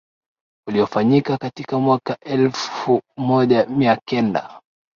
uliofanyika kati ya mwaka elfu moja mia kenda